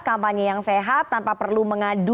kampanye yang sehat tanpa perlu mengadu